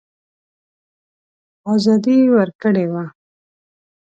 آزادي ورکړې وه.